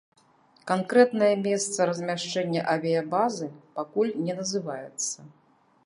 Канкрэтнае месца размяшчэння авіябазы пакуль не называецца.